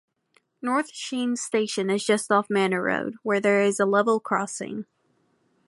North Sheen station is just off Manor Road, where there is a level crossing.